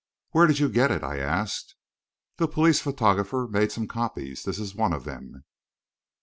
"Where did you get it?" I asked. "The police photographer made some copies. This is one of them."